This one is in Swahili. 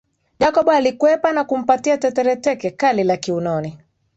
Jacob alikwepa na kumpatia Tetere teke kali la kiunoni